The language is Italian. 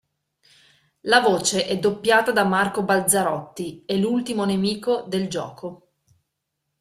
La voce è doppiata da Marco Balzarotti, è l'ultimo nemico del gioco.